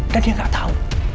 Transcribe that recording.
dan dia gak tau